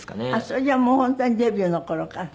それじゃあもう本当にデビューの頃から。